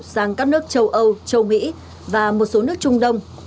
sang các nước châu âu châu mỹ và một số nước trung đông